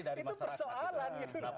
itu persoalan gitu